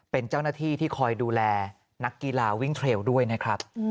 เป็นเจ้าหน้าที่ที่คอยดูแลนักกีฬาวิ่งเทรลด้วยนะครับ